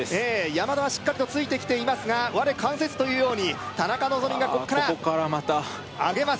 山田はしっかりとついてきていますが我関せずというように田中希実がここからああここからまた上げます